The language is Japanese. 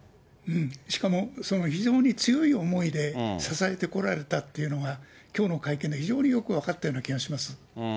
しかも非常に強い思いで支えてこられたっていうのが、きょうの会見で非常によく分かったような気がします。